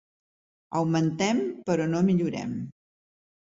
Augmentem, però no millorem.